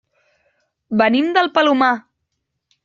Venim del Palomar.